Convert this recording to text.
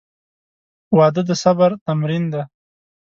• واده د صبر تمرین دی.